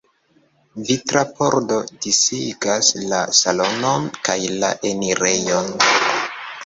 Vitra pordo disigas la salonon kaj la enirejon.